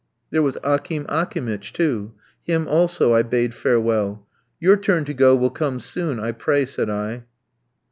There was Akim Akimitch, too; him, also, I bade farewell. "Your turn to go will come soon, I pray," said I.